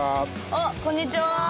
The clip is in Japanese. あこんにちは。